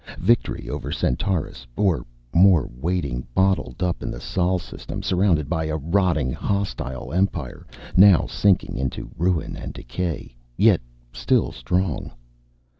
Victory over Centaurus or more waiting, bottled up in the Sol System, surrounded by a rotting, hostile Empire, now sinking into ruin and decay, yet still strong.